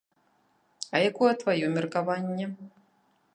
А якое тваё меркаванне?